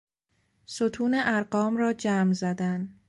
ستون ارقام را جمع زدن